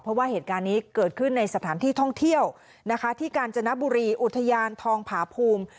เพราะว่าเหตุการณ์นี้เกิดขึ้นในสถานที่ท่องเที่ยวนะคะที่กาญจนบุรีอุทยานทองผาภูมิ